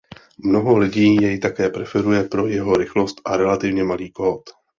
Mnoho lidí jej také preferuje pro jeho rychlost a relativně malý kód.